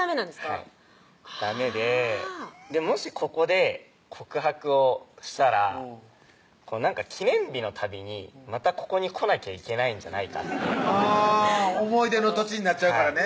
はいダメでもしここで告白をしたらなんか記念日のたびにまたここに来なきゃいけないんじゃないかあぁ思い出の土地になっちゃうからね